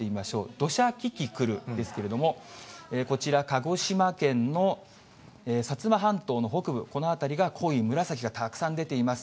土砂キキクルですけれども、こちら、鹿児島県の薩摩半島の北部、この辺りが濃い紫がたくさん出ています。